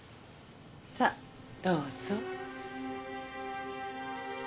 さあどうぞ。